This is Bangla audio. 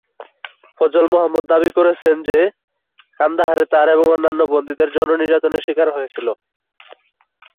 ফজল মোহাম্মদ দাবি করেছেন যে কান্দাহারে তার এবং অন্যান্য বন্দীদের যৌন নির্যাতনের শিকার হয়েছিল।